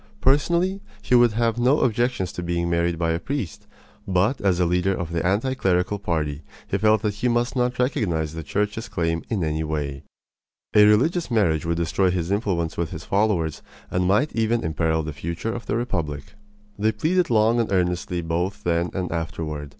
Personally, he would have no objections to being married by a priest; but as a leader of the anti clerical party he felt that he must not recognize the Church's claim in any way. A religious marriage would destroy his influence with his followers and might even imperil the future of the republic. They pleaded long and earnestly both then and afterward.